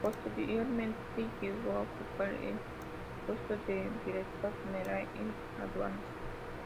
Posteriormente llegó a ocupar el puesto de Director General de Aduanas.